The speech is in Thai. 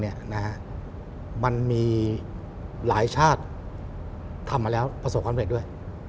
เนี่ยนะฮะมันมีหลายชาติทำมาแล้วประสบความเผ็ดด้วย